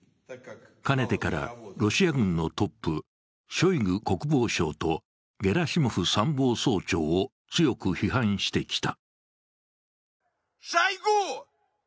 かねてからロシア軍のトップ、ショイグ国防相とゲラシモフ参謀総長を強く批判してきた。